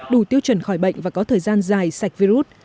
đủ tiêu chuẩn khỏi bệnh và có thời gian dài sạch virus